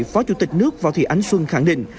phó chủ tịch nước võ thị ánh xuân khẳng định